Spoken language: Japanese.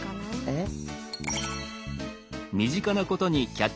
えっ？